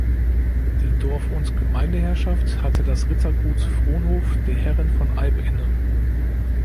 Die Dorf- und Gemeindeherrschaft hatte das Rittergut Frohnhof der Herren von Eyb inne.